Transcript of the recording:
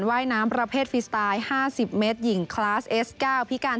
ว่ายแต่ขอบสระเป็นคนแรกนะคะเวลา๓๐๙๘วินาที